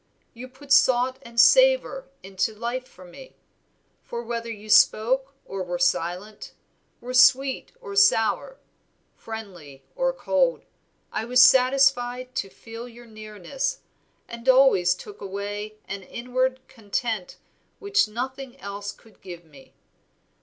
You put salt and savor into life for me; for whether you spoke or were silent, were sweet or sour, friendly or cold, I was satisfied to feel your nearness, and always took away an inward content which nothing else could give me.